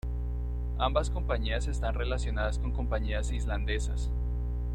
Ambas compañías están relacionadas con compañías islandesas.